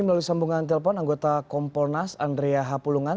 melalui sambungan telepon anggota kompolnas andrea hapulungan